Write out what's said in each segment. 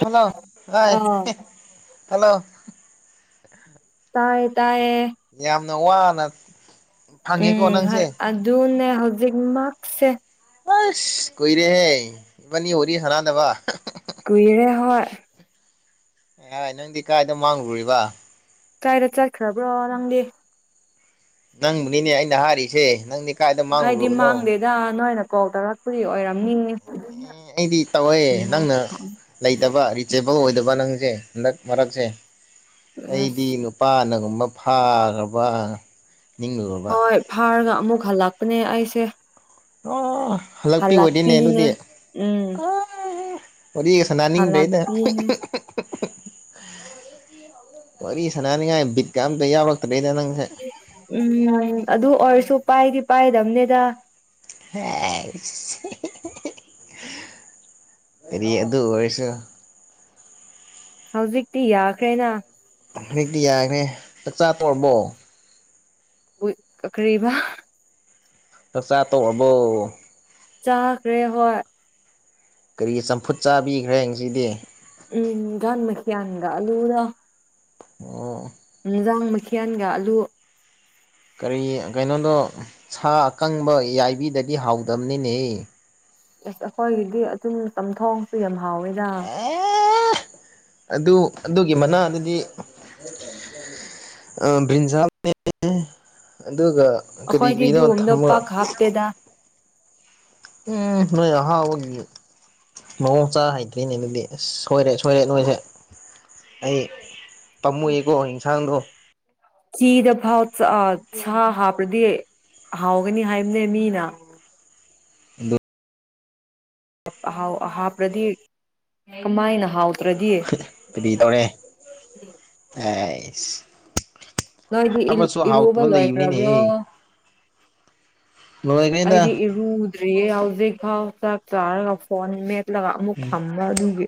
hello hi ꯑꯥ hello ꯇꯥꯏꯌꯦ ꯇꯥꯏꯌꯦ ꯌꯥꯝꯅ ꯋꯥꯅ ꯐꯪꯉꯦꯀꯣ ꯎꯝ ꯅꯪꯁꯦ ꯑꯗꯨꯅꯦ ꯍꯧꯖꯤꯛꯃꯛꯁꯦ ꯑꯁ ꯀꯨꯏꯔꯦꯍꯦ ꯏꯕꯥꯅꯤ ꯋꯥꯔꯤ ꯁꯥꯟꯅꯗꯕ ꯀꯨꯏꯔꯦ [inaudible] ꯑꯦ ꯍ ꯅꯪꯗꯤ ꯀꯥꯏꯗ ꯃꯥꯡꯉꯨꯔꯤꯕ ꯀꯥꯏꯔ ꯆꯠꯈ꯭ꯔꯕ꯭ꯔꯣ ꯅꯪꯗꯤ ꯅꯪꯕꯨꯅꯤꯅꯦ ꯑꯩꯅ ꯍꯥꯏꯔꯤꯁꯦ ꯅꯪꯅꯦ ꯑꯩꯗꯤ ꯃꯥꯡꯗꯦꯗ ꯅꯣꯏꯅ ꯀꯣꯜ ꯇꯧꯔꯛꯄꯗꯤ ꯑꯣꯏꯔꯝꯅꯤ ꯑꯩꯗꯤ ꯇꯧꯋꯦ ꯅꯪꯅ ꯂꯩꯇꯕ ꯔꯤꯆꯦꯕꯜ ꯑꯣꯏꯗꯕ ꯅꯪ ꯍꯟꯗꯛ ꯃꯔꯛꯁꯦ ꯑꯁ ꯑꯩꯗꯤ ꯅꯨꯄꯥꯅ ꯨꯒꯝꯕ ꯐꯥꯈ꯭ꯔꯕ ꯅꯥ ꯍꯣꯏ ꯐꯥꯔꯒ ꯑꯃꯨꯛ ꯍꯜꯂꯛꯄꯅꯦ ꯑꯩꯁꯦ ꯑꯣ ꯍꯜꯂꯛꯄꯤ ꯑꯣꯏꯗꯣꯏꯅꯦ ꯑꯗꯨꯗꯤ ꯍꯜꯂꯛꯄꯤꯅꯦ ꯎꯝ ꯑ ꯋꯥꯔꯤꯒ ꯁꯥꯟꯅꯅꯤꯡꯗ꯭ꯔꯦꯗ ꯍꯜꯂꯛꯄꯤꯅꯦ ꯋꯥꯔꯤ ꯁꯅꯥꯅꯤꯡꯉꯥꯏ ꯕꯤꯠꯀ ꯑꯝꯇ ꯌꯥꯎꯔꯛꯇꯦ ꯎꯝ ꯑꯗꯨ ꯑꯣꯏꯔꯁꯨ ꯄꯥꯏꯗꯤ ꯄꯥꯏꯗꯝꯕꯅꯦꯗ ꯍꯦ ꯀꯔꯤ ꯑꯗꯨ ꯑꯣꯏꯔꯁꯨ ꯍꯧꯖꯤꯛꯇꯤ ꯌꯥꯈ꯭ꯔꯦꯅ ꯍꯧꯖꯤꯛꯇꯤ ꯌꯥꯈ꯭ꯔꯦ ꯆꯥꯛꯆꯥꯥ ꯇꯣꯛꯑꯕꯣ ꯀꯔꯤꯕꯥ ꯆꯥꯛꯆ ꯇꯣꯛꯑꯕꯣ ꯆꯥꯈ꯭ꯔꯦ ꯍꯣꯏ ꯀꯔꯤ ꯆꯝꯐꯨꯠ ꯆꯥꯕꯤꯈ꯭ꯔꯦ ꯉꯁꯤꯗꯤ ꯎꯝ ꯃꯈꯌꯥꯥꯟꯗ ꯑꯂꯨꯗꯣ ꯑꯣ ꯅꯟꯁꯥꯡ ꯃꯈꯦꯜꯒ ꯑꯂꯨ ꯀꯔꯤ ꯀꯩꯅꯣꯗꯣ ꯁꯥ ꯑꯀꯪꯕ ꯌꯥꯏꯕꯤꯗꯗꯤ ꯍꯥꯎꯗꯕꯅꯤꯅꯦ ꯑꯁ ꯑꯩꯈꯣꯏꯒꯤꯗꯤ ꯑꯗꯨꯝ ꯆꯝꯊꯣꯡꯁꯨ ꯌꯥꯝ ꯍꯥꯎꯋꯦꯗ ꯑꯦ ꯑꯗꯨ ꯑꯗꯨꯒꯤ ꯃꯅꯥ ꯑꯗꯨꯗꯤ ꯑ ꯕ꯭ꯔꯤꯟꯖꯥꯜ ꯅꯦ ꯑꯗꯨꯒ ꯀꯔꯤ ꯑꯩꯈꯣꯏꯗꯤ ꯀꯔꯤꯗꯣ ꯑꯗꯨꯒꯨꯝꯕꯗꯣ ꯊꯝꯃꯒ ꯄꯥꯛ ꯍꯥꯞꯇꯦꯗ ꯎꯝ ꯅꯣꯏ ꯑꯍꯥꯎ ꯑꯣꯏꯒꯤ ꯃꯑꯣ ꯆꯥ ꯍꯩꯇ꯭ꯔꯤꯅꯦ ꯑꯗꯨꯗꯤ ꯑꯁ ꯁꯣꯏꯔꯦ ꯁꯣꯏꯔꯦ ꯅꯣꯏꯁꯦ ꯑꯩ ꯄꯥꯝꯃꯨꯑꯦꯀꯣ ꯌꯦꯟꯁꯥꯡꯗꯣ ꯆꯤꯗꯐꯥꯎ ꯁꯥ ꯍꯥꯞꯄꯗꯤ ꯍꯥꯎꯒꯅꯤ ꯍꯥꯏꯕꯅꯦ ꯃꯤꯅ ꯑꯗꯨ ꯑꯍꯥꯎꯕ ꯍꯥꯞꯂꯗꯤ ꯀꯃꯥꯏꯅ ꯍꯥꯎꯥ ꯀꯔꯤ ꯇꯧꯔꯦ ꯑꯩꯁ ꯅꯣꯏꯗꯤ ꯑꯃꯁꯨ ꯏꯔꯨꯕ ꯍꯥꯎꯇꯕ ꯂꯩꯕꯅꯤꯅꯦ ꯂꯣꯏꯈ꯭ꯔꯕ꯭ꯔꯣ ꯂꯣꯏꯈ꯭ꯔꯦꯗ ꯑꯩꯗꯤ ꯏꯔꯨꯗ꯭ꯔꯤꯌꯦ ꯍꯧꯖꯤꯛ ꯐꯥꯎ ꯆꯥꯛ ꯆꯥꯔꯒ ꯐꯣꯟ ꯃꯦꯠ ꯂꯒꯥ ꯑꯃꯨꯛ ꯐꯝꯝꯕ ꯑꯗꯨꯒꯤ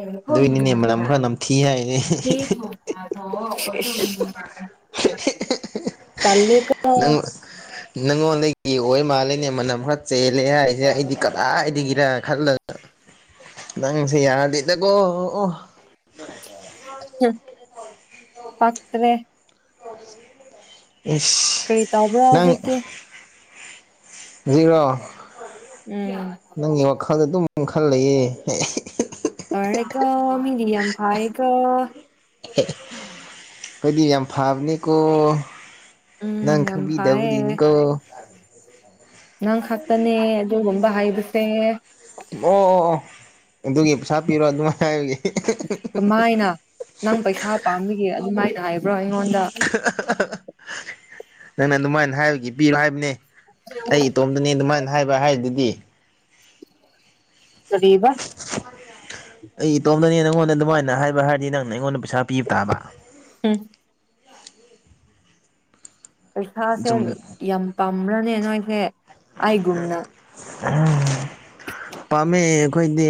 [inaudible] ꯑꯗꯨꯏꯅꯤꯅꯦ ꯃꯅꯝ ꯈꯔ ꯅꯝꯊꯤ ꯍꯥꯏꯅꯦ ꯏꯁ ꯇꯜꯂꯦꯀꯣ ꯅꯪ ꯅꯪꯉꯣꯟꯗꯒꯤ ꯑꯣꯏ ꯃꯥꯜꯂꯅꯦ ꯃꯅꯝ ꯈꯔꯥ ꯆꯦꯜꯂꯦ ꯍꯥꯏꯁꯦ ꯑꯩꯗꯤ ꯀꯗꯥꯏꯗꯒꯤꯗꯒꯤꯔ ꯈꯜꯂꯒ ꯅꯪꯁꯤ ꯌꯥꯗ ꯏꯗ ꯀꯣ ꯄꯥꯛ꯭ꯔꯦ ꯀꯔꯤ ꯇꯧꯕ꯭ꯔꯥ ꯅꯪ ꯍꯧꯖꯤꯛꯇꯤ ꯔꯣ ꯎꯝ ꯅꯪꯒꯤ ꯋꯥꯈꯥꯗ ꯑꯗꯨꯨꯝ ꯈꯪ ꯈꯜ ꯂꯩꯌꯦ ꯃꯤꯔꯤ ꯑꯝꯐ ꯑꯩꯈꯣꯏꯗꯤ ꯌꯥꯝ ꯐꯕꯅꯦꯀꯣ ꯅꯪ ꯎꯝ ꯌꯥꯝ ꯐꯩꯌꯦ ꯈꯪꯕꯤꯗꯕꯨꯗꯤꯅꯤꯀꯣ ꯅꯪ ꯈꯥꯛꯛꯇꯅꯦ ꯑꯗꯨꯒꯨꯝꯕ ꯍꯩꯕꯁꯦ ꯑꯣ ꯑꯣ ꯑꯣ ꯑꯗꯨꯒꯤ ꯄꯩꯁꯥ ꯄꯤꯔꯣ ꯑꯗꯨꯃꯥꯏꯅ ꯍꯥꯏꯕꯒꯦ ꯀꯃꯥꯏꯅ ꯅꯪ ꯄꯩꯁꯥ ꯄꯥꯝꯂꯤꯒꯦ ꯑꯗꯨꯃꯥꯏꯅ ꯍꯥꯏꯕ꯭ꯔꯣ ꯑꯩꯉꯣꯟꯗ ꯅꯪꯅ ꯑꯗꯨꯃꯥꯏꯅ ꯍꯥꯏꯕꯒꯤ ꯄꯤꯔꯣ ꯍꯥꯏꯕꯅꯦ ꯑꯩ ꯏꯇꯣꯝꯗꯅꯦ ꯑꯗꯨꯃꯥꯏꯅ ꯍꯥꯏꯕ ꯍꯥꯏꯗꯨꯗꯤ ꯔꯤꯕ ꯑꯩ ꯏꯇꯣꯝꯗꯅꯦ ꯅꯪꯉꯣꯟꯗ ꯑꯗꯨꯃꯥꯏꯅ ꯍꯥꯏꯕ ꯍꯥꯏꯔꯗꯤ ꯅꯪꯅ ꯑꯩꯉꯣꯟꯗ ꯄꯩꯁꯥ ꯄꯤꯕ ꯇꯥꯕ ꯎꯝ ꯄꯩꯁꯥꯁꯦ ꯁꯨꯝ ꯌꯥꯝ ꯄꯥꯝꯕ꯭ꯔꯅꯦ ꯅꯣꯏꯁꯦ ꯑꯩꯒꯨꯝꯅ ꯄꯥꯝꯃꯦ ꯑꯩꯈꯣꯏꯗꯤ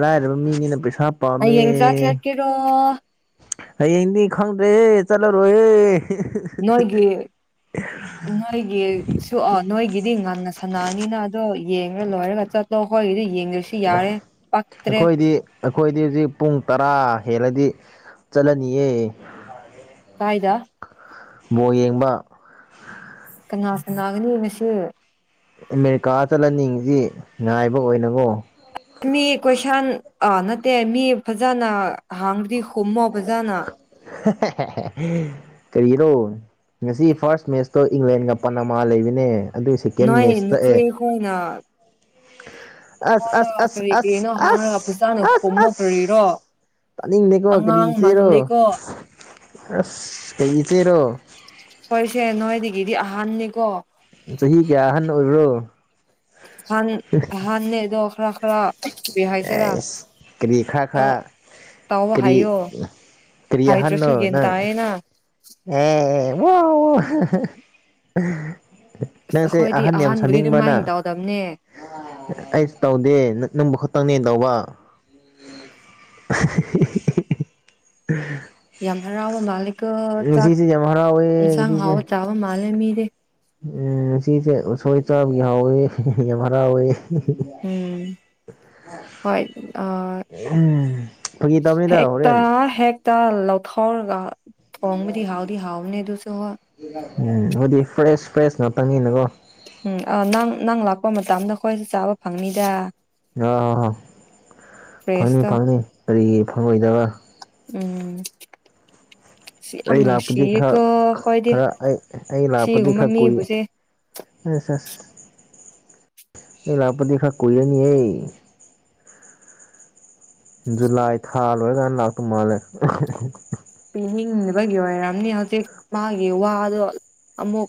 ꯂꯥꯏꯔꯕ ꯃꯤꯅꯤꯅ ꯄꯩꯁꯥ ꯍꯥ ꯄꯥꯝꯃꯦ ꯍꯌꯦꯡ ꯆꯥꯛ ꯆꯠꯀꯦꯔꯣ ꯍꯌꯦꯡꯗꯤ ꯈꯪꯗ꯭ꯔꯦꯍꯦ ꯆꯠꯂꯔꯣꯍꯦ ꯅꯣꯏꯒꯤ ꯅꯣꯏꯒꯤ ꯁ ꯅꯣꯏꯒꯤꯗꯤ ꯉꯟꯅ ꯁꯥꯟꯅꯅꯤꯅ ꯑꯗꯣ ꯌꯦꯡꯉ ꯂꯣꯏꯔꯒ ꯆꯠꯇꯂꯣ ꯑꯩꯣꯏꯒꯤꯗꯤ ꯀꯁꯤ ꯌꯥꯔꯦ ꯄꯛꯇꯔꯦ ꯑꯩꯈꯣꯏꯗꯤ ꯑꯩꯈꯣꯏꯗꯤ ꯍꯧꯖꯤꯛ ꯄꯨꯡ ꯇꯔꯥ ꯍꯦꯜꯂꯗꯤ ꯆꯠꯂꯅꯤꯑ ꯀꯥꯏꯗ ꯃꯣ ꯌꯦꯡꯕ ꯀꯅꯥ ꯁꯅꯥꯒꯅꯤ ꯉꯁꯤ ꯑꯃꯦꯔꯤꯀꯥ ꯆꯠꯍꯟꯅꯤꯡꯉꯤꯁꯤ ꯉꯥꯏꯕ ꯑꯣꯏꯅꯀꯣ ꯃꯤ ꯀꯣꯏꯁꯟ ꯑꯥ ꯅꯠꯇꯦ ꯃꯤ ꯐꯖꯅ ꯍꯥꯡ꯭ꯔꯤ ꯍꯨꯝꯃꯣ ꯐꯖꯅ ꯀꯔꯤꯔꯣ ꯉꯁꯤ ꯐꯥꯔꯁ ꯃꯦꯠꯁꯇꯣ ꯏꯪꯂꯦꯟꯒ ꯄ ꯃꯥꯥ ꯂꯩꯕꯅꯦ ꯑꯗꯨ ꯁꯦꯀꯦꯟ ꯅꯣꯏ ꯃꯦꯠꯁ ꯅꯆꯦ ꯇꯛꯑꯦ ꯈꯣꯏꯅ ꯑꯁ ꯅꯪꯉꯣꯟꯗ ꯑꯁ ꯀꯔꯤ ꯑꯁ ꯀꯔꯤꯅꯣ ꯑꯁ ꯍꯥꯡꯔꯒ ꯐꯖꯅ ꯑꯁ ꯈꯨꯝꯃꯣ ꯑꯁ ꯀꯔꯤꯔꯣ ꯑ ꯇꯥꯅꯤꯡ ꯅꯀꯣ ꯀꯔꯤ ꯑꯉꯥꯡ ꯏꯆꯦꯔꯣ ꯃꯟꯗꯦꯀꯣ ꯑꯁ ꯀꯔꯤ ꯏꯆꯦꯔꯣ ꯀꯣꯏꯁꯦ ꯅꯣꯏꯗꯤꯒꯗꯤ ꯑꯍꯥꯟꯅꯤ ꯀꯣ ꯆꯍꯤ ꯀꯌꯥ ꯑꯍꯟ ꯑꯣꯏꯕ꯭ꯔꯣ ꯍ ꯍꯗꯣ ꯈꯔ ꯈꯔ ꯀꯔꯤ ꯍꯥꯏꯁꯤꯔꯥ ꯀꯔꯤꯈꯥ ꯑꯗꯣ ꯈꯥ ꯇꯧꯕ ꯀꯔꯤ ꯍꯥꯏꯌꯣ ꯍꯥꯏꯗ꯭ꯔꯁꯨ ꯇꯔꯤꯌꯥꯍꯥꯟꯅꯣ ꯒ꯭ꯌꯥꯟ ꯅ ꯇꯥꯏꯌꯦꯅ ꯑꯦ ꯋꯥ ꯑꯁ ꯅꯪꯁꯦ ꯑꯩꯈꯣꯏꯗꯤ ꯑꯍꯟ ꯌꯥꯝ ꯑꯍꯥꯟꯕꯨꯗꯤ ꯁꯥꯅꯤꯡꯕꯅ ꯑꯗꯨꯃꯥꯏꯅ ꯇꯧꯗꯕꯅꯦ ꯑꯩꯁ ꯇꯧꯗꯦ ꯅ ꯇꯪꯅꯦꯦꯟ ꯇꯧꯕ ꯌꯥꯝ ꯍꯔꯥꯎꯕ ꯃꯥꯂꯦꯀ ꯆꯥꯛ ꯉꯁꯤꯁꯦ ꯌꯥꯝ ꯍꯔꯥꯎꯋꯦ ꯌꯦꯟꯁꯥꯡ ꯉꯁꯤꯁꯦ ꯍꯥꯎꯕ ꯆꯥꯕ ꯃꯥꯜꯂꯦ ꯃꯤ ꯎꯝ ꯉꯁꯦ ꯎꯁꯣꯏ ꯆꯕ ꯍꯥꯎꯋꯤ ꯌꯥꯝ ꯍꯔꯥꯎꯋꯦ [inaudible] ꯍ ꯑ ꯎꯝ ꯐꯥꯒꯤ ꯇꯧꯕꯅꯤꯗ ꯍꯦꯛ ꯇ ꯍꯣꯔꯦꯟ ꯍꯦꯛ ꯇ ꯊꯧꯔꯒ ꯍꯣꯏ ꯎꯝ ꯑꯗꯨꯗꯤ ꯐ꯭ꯔꯦꯁ ꯐ꯭ꯔꯦꯁꯅꯣ ꯇꯪꯉꯤꯅꯀꯣ ꯎꯝ ꯑ ꯅꯪ ꯅꯪ ꯂꯥꯛꯄ ꯃꯇꯝꯗ ꯑꯩꯈꯣꯏꯁꯨ ꯆꯥꯕ ꯐꯪꯅꯤꯗ ꯑ ꯍ ꯍ ꯐꯪꯅꯤ ꯐ꯭ꯔꯦꯁꯇꯣ ꯐꯪꯅꯤ ꯀꯔꯤ ꯐꯪꯉꯣꯏꯗꯕ ꯎꯝ ꯁꯤ ꯌꯥꯝ ꯑꯩ ꯂꯥꯛꯄꯗꯤ ꯈꯔ ꯅꯨꯡꯁꯤꯌꯦꯀꯣ ꯑꯩꯈꯣꯏꯗꯤ ꯈꯔ ꯑꯩ ꯑ ꯂꯥꯛꯄꯗꯤ ꯁꯤꯒꯨꯝꯕ ꯈꯔ ꯀꯨꯏ ꯃꯤꯕꯨꯁꯦ ꯑ ꯂꯄꯗ ꯈꯥ ꯀꯔꯅꯤ ꯑꯩ ꯖꯨꯂꯥꯏ ꯊꯥ ꯂꯣꯏꯔꯀꯥꯟꯗ ꯂꯥꯛꯇꯧ ꯃꯥꯜꯂꯦ ꯄꯤꯅꯤꯡꯕꯒꯤ ꯑꯣꯏꯔꯝꯅꯤ ꯍꯧꯖꯤꯛ ꯃꯥꯒꯤ ꯋꯥꯗꯣ ꯑꯃꯨꯛ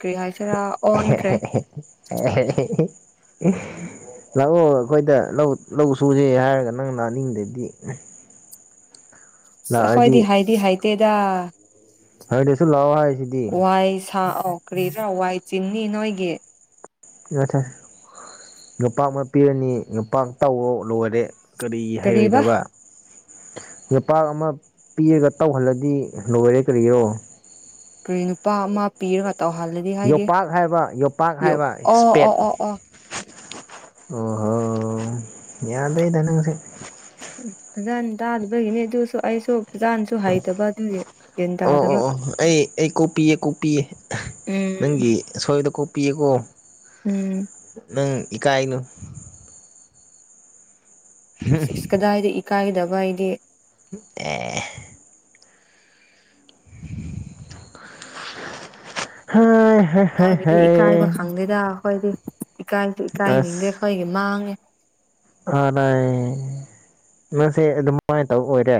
ꯀꯔꯤ ꯍꯥꯏꯁ [unintelligible] ꯂꯥꯛꯑꯣ ꯑꯩꯈꯣꯏꯗ ꯂꯧ ꯁꯨꯁꯦ ꯍꯥꯏꯔꯒ ꯅꯪꯅ ꯑꯅꯤꯡꯗꯗꯤ ꯈꯣꯏꯗꯤ ꯍꯥꯏꯗꯤ ꯍꯥꯏꯗꯦꯗ ꯍꯗꯤꯁꯨ ꯂꯥꯎꯑꯣ ꯍꯥꯏ ꯋꯥꯏ ꯁꯥ ꯀꯔꯤꯗꯔꯥ ꯋꯥꯏ ꯆꯤꯅꯤ ꯅꯣꯏꯒꯤ ꯉ ꯉꯄꯥꯛ ꯑꯃ ꯄꯤꯔꯅꯤ ꯉꯄꯥꯛ ꯇꯧꯔꯣ ꯂꯣꯏꯔꯦ ꯀꯔꯤ ꯀꯔꯤꯕ ꯍꯥꯏꯔꯣꯏꯗꯕ ꯌꯥꯄꯥꯛ ꯑꯃ ꯄꯤꯔꯒ ꯇꯧꯍꯜꯂꯗꯤ ꯂꯣꯏꯔꯦ ꯀꯔꯤꯒꯤꯔꯣ ꯀ ꯅꯨꯄꯥ ꯑꯃ ꯄꯤꯔ ꯉꯥꯛ ꯇꯧꯍꯜꯂꯗꯤ ꯍꯥꯏꯒꯦ ꯌꯣꯄꯥꯛ ꯍꯥꯏꯕ ꯌꯣꯄꯥꯛ ꯌ ꯑꯣ ꯑꯣ ꯑꯣ ꯑꯣ ꯑꯣ ꯍꯣ ꯌꯥꯗꯩ ꯊꯅ ꯉꯁ ꯑꯗꯨ ꯇ ꯑꯗꯨꯕꯒꯤꯅꯦ ꯑꯗꯨꯁꯨꯣ ꯑꯁꯨ ꯑꯣ ꯑꯣ ꯇꯥꯗꯕ ꯑꯣ ꯑꯩ ꯑꯩ ꯀꯣꯄꯤ ꯀꯣꯄꯤ ꯎꯝ ꯅꯪꯒꯤ ꯁꯣꯏꯗ ꯀ ꯄꯤꯌꯦꯀꯣ ꯎꯝ ꯅꯪ ꯏꯀꯥꯏꯅꯨ ꯀꯗꯥꯏꯗ ꯏꯀꯥꯏꯗꯕ ꯍꯥꯏꯗꯤ ꯑꯦ ꯍꯥ ꯅꯣꯏꯕꯨꯗꯤ ꯏꯀꯥꯏꯕ ꯈꯪꯗꯦꯗ ꯑꯩꯈꯣꯏꯗꯤ ꯏꯀꯥꯏꯁꯨ ꯏꯀꯥꯏꯅꯤꯡꯗꯦ ꯑꯩꯈꯣꯏꯒꯤ ꯃꯥꯡꯉꯦ ꯑ ꯂꯩ ꯅꯁꯦ ꯑꯗꯨꯃꯥꯏꯅ ꯇꯧ ꯑꯣꯏꯔꯦ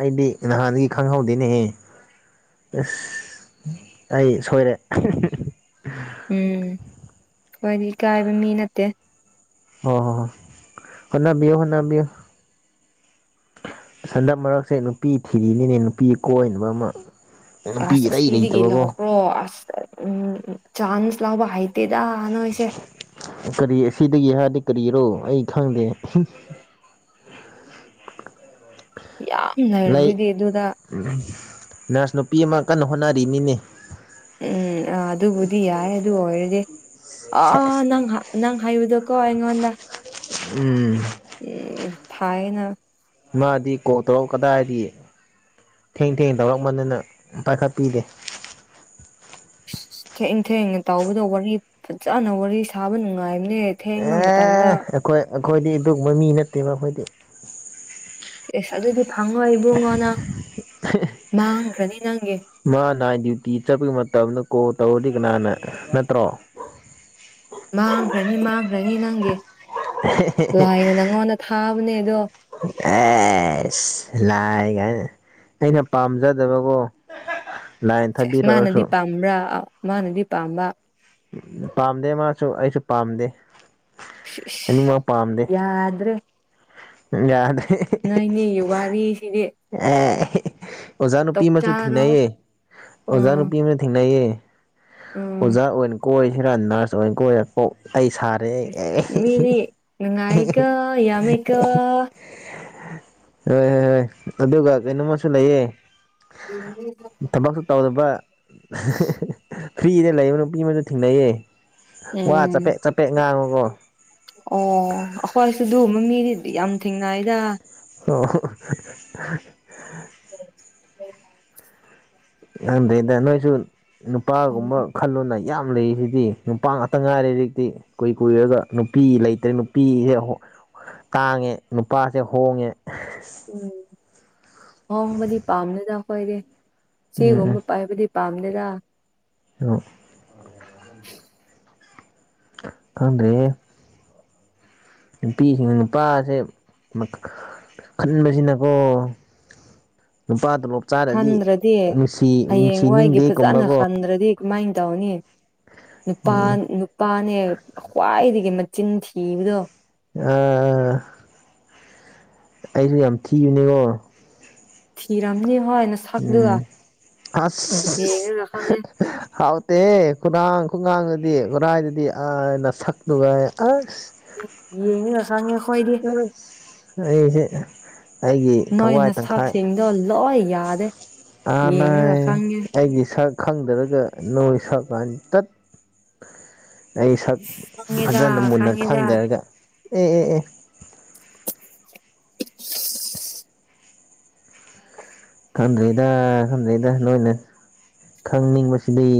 ꯑꯩꯗꯤ ꯅꯍꯥꯟꯗꯒꯤ ꯈꯪꯍꯧꯗꯦꯅꯦꯍ ꯏꯁꯁ ꯑꯩ ꯁꯣꯏꯔꯦ ꯎꯝ ꯍꯥꯏꯣꯏꯗꯤ ꯏꯀꯥꯏꯕ ꯃꯤ ꯅꯠꯇꯦ ꯍ ꯍ ꯍꯕꯤꯌꯣ ꯍꯕꯤꯌꯣ ꯁꯟꯗꯝ ꯃꯔꯛꯁꯦ ꯅꯨꯄꯤ ꯊꯤꯔꯤꯅꯤꯅꯦ ꯅꯨꯄꯤ ꯀꯣꯏꯅꯕ ꯑꯃ ꯅꯨꯄꯤ ꯑꯁ ꯏꯔꯩ ꯁꯤꯗꯒꯤ ꯂꯩꯇꯕꯀꯣ ꯂꯧꯈ꯭ꯔꯣ ꯑꯁ ꯎꯝ ꯆꯥꯟꯁ ꯂꯕ ꯍꯥꯏꯇꯦ ꯀꯔꯤ ꯁꯤꯗꯒꯤ ꯍꯥꯏꯔꯗꯤ ꯇꯔꯤꯔꯣ ꯑꯩ ꯈꯪꯗꯦ ꯌꯥꯝ ꯂꯩ ꯂꯩꯔꯗꯨꯗꯤ ꯑꯗꯨꯗ ꯅꯔꯁ ꯅꯨꯄꯤ ꯑꯃ ꯀꯟꯅ ꯍꯣꯠꯅꯔꯤ ꯃꯤꯅꯦ ꯎꯝ ꯑ ꯑꯗꯨꯕꯨꯗꯤ ꯌꯥꯏ ꯑꯗꯨ ꯑꯣꯏꯔꯗꯤ ꯑ ꯁꯦꯁ ꯅꯪ ꯅꯪ ꯏꯗꯀꯣ ꯑꯩꯉꯣꯗ ꯎꯝ ꯑꯦ ꯐꯅ ꯃꯥꯗꯤ ꯀꯣꯛ ꯇꯔꯛ ꯀꯗꯥꯏꯔꯤ ꯊꯦꯡ ꯊꯦꯡ ꯇꯧꯔꯛ ꯃꯅꯤꯅ ꯄꯥꯏꯈꯠꯄꯤꯗꯦ ꯊꯏ ꯊꯦꯡꯅ ꯇꯧꯕꯗ ꯋꯥꯔꯤ ꯐꯖꯅ ꯋꯥꯔꯤ ꯁꯥꯕ ꯅꯨꯡꯉꯥꯏ ꯅꯦ ꯊꯦꯡꯕ ꯃꯇꯝꯗ ꯑꯦ ꯑꯩꯈꯣꯏ ꯑꯩꯈꯣꯏꯗꯤ ꯑꯗꯨꯒꯕ ꯃꯤ ꯅꯠꯇꯦꯕ ꯃꯈꯣꯏꯗꯤ ꯑꯦꯁ ꯑꯗꯨꯗꯤ ꯐꯪꯉꯣꯏ ꯏꯕꯨꯡꯉꯣꯅꯪ ꯃ ꯃꯥꯅꯥꯏ ꯗ꯭ꯌꯨꯇꯤ ꯆꯠꯄꯒꯤ ꯃꯇꯝꯗ ꯀꯣꯜ ꯇꯧꯔꯗꯤ ꯀꯅꯥꯅ ꯅꯠꯇ꯭ꯔꯣ ꯃꯥꯡꯈ꯭ꯔꯅꯤ ꯃꯥꯡꯈ꯭ꯔꯅꯤ ꯅꯪꯒꯤ ꯂꯥꯏꯅ ꯅꯪꯉꯣꯟꯗ ꯊꯥꯕꯅꯦ ꯑꯗꯣ ꯑꯥ ꯑꯦꯁ ꯂꯥꯏ ꯀꯥꯏꯅ ꯑꯩꯅ ꯄꯥꯝꯖꯗꯕꯀꯣ ꯂꯥꯏꯟ ꯁꯦꯁ ꯃꯥꯅꯗꯤ ꯊꯥꯕꯤꯔꯛꯑꯁꯨ ꯄꯥꯝꯕ꯭ꯔꯥ ꯑ ꯃꯥꯅꯗꯤ ꯄꯥꯝꯕ ꯎ ꯄꯥꯝꯗꯦ ꯃꯥꯁꯨ ꯑꯩꯁꯨ ꯄꯥꯝꯗꯦ ꯑꯅꯤꯃꯛ ꯄꯥꯝꯗꯦ ꯌꯥꯗ꯭ꯔꯦ ꯌꯥꯗꯦ ꯅꯅꯦ ꯌꯨ ꯋꯥꯔꯤꯅꯤ ꯁꯤꯗꯤ ꯑꯣꯖꯥ ꯅꯨꯄꯤ ꯑꯃꯁꯨ ꯊꯦꯡꯅꯩꯌꯦ ꯑꯣꯖꯥ ꯎꯝ ꯅꯨꯄꯤ ꯑꯃ ꯊꯦꯡꯅꯩꯌꯦ ꯎꯝ ꯀꯣꯏꯁꯤꯔ ꯅꯔꯁ ꯑꯣꯏꯅ ꯀꯣꯏꯔꯛꯄ ꯑꯩ ꯁꯥꯔꯦ ꯏꯁ ꯍꯣꯏ ꯃꯤꯗꯤ ꯅꯨꯡꯉꯥꯏꯀꯣ ꯌꯥꯝꯃꯦꯀꯣ ꯍꯣꯏ ꯍꯣꯏ ꯑꯗꯨꯒ ꯀꯩꯅꯣꯝꯃꯁꯨ ꯂꯩꯌꯦ ꯊꯕꯛꯁꯨ ꯇꯧꯗꯕ ꯐ꯭ꯔꯤꯗ ꯂꯩꯕ ꯅꯨꯄꯤ ꯃꯁꯨ ꯊꯦꯡꯅꯩꯌꯦ ꯋꯥ ꯎꯝ ꯆꯄꯦꯠ ꯆꯄꯦꯠ ꯉꯥꯡꯉꯨꯒꯣ ꯑꯗꯨꯕ ꯃꯤꯗꯤꯗꯤ ꯌꯥꯝ ꯊꯦꯡꯅꯏꯗ ꯑꯣ [inaudible] ꯑꯗꯨꯗꯩꯗ ꯅꯣꯏꯁꯨ ꯎꯝ ꯅꯨꯄꯥꯒꯨꯝꯕ ꯈꯜꯂꯣꯅ ꯌꯥꯝ ꯂꯩꯔꯤꯁꯤꯗꯤ ꯅꯨꯄꯥ ꯉꯥꯛꯇ ꯉꯥꯏꯔꯦ ꯍꯧꯖꯤꯛꯇꯤ ꯀꯨꯏ ꯀꯨꯏꯔꯒ ꯅꯨꯄꯤ ꯂꯩꯇ꯭ꯔꯦ ꯅꯨꯄꯤꯁꯦ ꯇꯥꯡꯉꯦ ꯅꯨꯄꯥꯁꯦ ꯍꯣꯡꯉꯦ ꯎꯝ ꯍꯣꯡꯕꯗꯤ ꯄꯥꯝꯗꯅ ꯑꯩꯈꯣꯏꯗꯤ ꯆꯦꯒꯨꯝꯕ ꯄꯥꯏꯕꯗꯤ ꯄꯝꯗꯦꯗ ꯑꯣ [inaudible] ꯑꯗꯦ ꯅꯨꯄꯤꯁꯤꯡꯅ ꯅꯨꯄꯥꯁꯦ ꯈꯟꯕꯁꯤꯅꯀꯣ ꯅꯨꯄꯥꯗꯨ ꯂꯞ ꯆꯥꯔꯗꯤ ꯈꯟꯗ꯭ꯔꯗꯤ ꯅꯨꯡꯁꯤ ꯍꯌꯦꯡꯋꯥꯏꯒꯤ ꯅꯨꯡꯁꯤꯅꯤꯡꯗꯦ ꯐꯖꯅ ꯀꯨꯝꯕꯀꯣ ꯈꯟꯗ꯭ꯔꯗꯤ ꯀꯃꯥꯏꯅ ꯇꯧꯅꯤ ꯅꯨꯄꯥ ꯎꯝ ꯅꯨꯄꯥꯅꯦ ꯈ꯭ꯋꯥꯏꯗꯒꯤ ꯆꯅꯤ ꯊꯤꯕꯗꯣ ꯑ ꯑꯩꯁꯨ ꯌꯥꯝ ꯊꯤꯕꯅꯤꯉꯣ ꯊꯔꯝꯅꯤ ꯎꯝ ꯌꯦꯡꯉꯒ ꯈꯪꯉꯦ ꯍꯥꯎ ꯑꯦꯦ ꯈꯨꯔꯥꯡ ꯈꯨꯒꯥꯡꯗꯗꯤ ꯈꯨꯔꯥꯏꯗꯗꯤ ꯑꯩꯅ ꯁꯛꯂꯨꯕ ꯑꯁ ꯑꯁ ꯌꯦꯡꯉꯒ ꯈꯪꯉꯦ ꯑꯩꯈꯣꯏꯗꯤ ꯑꯩꯁꯦ ꯑꯩꯒꯤ ꯅꯣꯏ ꯊꯋꯥꯏ ꯇꯪꯈꯥꯏ ꯅꯁꯛꯁꯤꯡꯗꯣ ꯂꯣꯏ ꯌꯥꯗꯦ ꯑꯥ ꯅꯥꯏ ꯌꯦꯡꯉꯒ ꯈꯪꯉꯦ ꯑꯩ ꯒꯤꯁꯥꯥꯛ ꯈꯪꯗꯔꯒ ꯅꯣꯏ ꯁꯥꯀꯥꯟ [unintelligible] ꯇꯠ ꯑꯩ ꯁꯛ ꯈꯪꯉꯦꯗ ꯐꯖꯅ ꯃꯨꯟꯅ ꯈꯪꯉꯦꯗ ꯈꯪꯗꯔꯒ ꯑꯦ ꯑꯦ ꯑꯦ ꯈꯟꯗꯔꯤꯗ ꯈꯟꯗꯔꯤꯗ ꯅꯣꯏꯅꯦ ꯈꯪꯅꯤꯡꯕꯁꯤꯗꯩ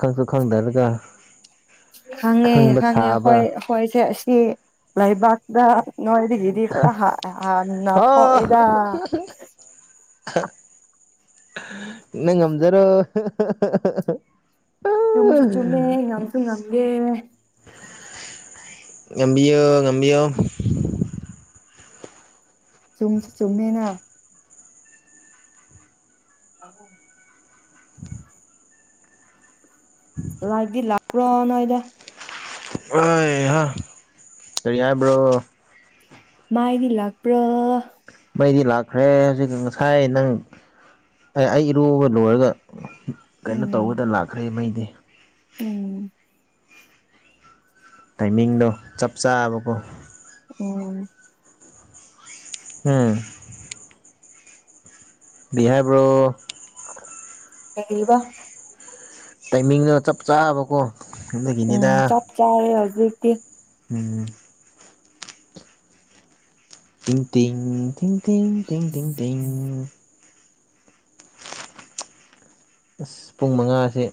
ꯈꯪꯁꯨ ꯈꯪꯗꯔꯒ ꯈꯪꯉꯦ ꯈꯪꯕ ꯈꯪꯉꯦ ꯁꯥꯕ ꯍꯈꯣꯏ ꯑꯩꯈꯣꯏꯁꯦ ꯑꯁꯤ ꯂꯩꯕꯥꯛꯇ ꯅꯗꯤꯒꯤꯗꯤ ꯅ ꯊꯣ ꯑꯥ ꯑꯦꯗ ꯅꯪ ꯉꯝꯖꯔꯣ ꯆꯨꯝꯁꯨ ꯆꯨꯝꯃꯦ ꯉꯪꯁꯨ ꯉꯪꯒꯦ ꯉꯕꯤꯌ ꯉꯕꯤꯌ ꯆꯨꯝꯁꯨ ꯆꯨꯝꯃꯦꯅ ꯑꯣ [inaudible] ꯂꯥꯛꯗꯤ ꯂ ꯄꯨ꯭ꯔꯣꯅꯅꯨꯡꯣꯏꯗ ꯑ ꯍ ꯀꯔꯤ ꯌꯥꯏꯕ꯭ꯔꯣ ꯃꯥꯥꯏꯗꯤ ꯂꯥꯛꯄ꯭ꯔ ꯃꯩꯗꯤ ꯂꯥꯛꯈ꯭ꯔꯦ ꯍꯧꯖꯤꯛ ꯉꯁꯥꯏ ꯅꯪ ꯑꯩ ꯏꯔꯨꯕ ꯂꯣꯏꯔꯒ ꯀꯩꯅꯣ ꯎꯝ ꯇꯧꯕꯗ ꯂꯥꯛꯈ꯭ꯔꯦ ꯃꯩꯗꯤ ꯎꯝ ꯇꯥꯏꯃꯤꯡꯗꯣ ꯆꯞ ꯆꯥꯕꯀꯣ ꯑꯣ ꯎꯝ ꯕꯤꯍꯥꯔꯕ꯭ꯔꯣ ꯀꯔꯤꯕ ꯇꯥꯏꯃꯤꯡꯗꯨꯣ ꯆꯞ ꯆꯥꯕꯀꯣ ꯎꯝ ꯑꯗꯨꯒꯤꯅꯤꯗ ꯆꯞ ꯆꯥꯔꯦ ꯍꯧꯖꯤꯛ ꯎꯝ ꯇ ꯇ ꯇ ꯇ ꯇ ꯇꯤꯡ ꯇ ꯑ ꯄꯨꯡ ꯃꯉꯥ ꯑꯁꯤ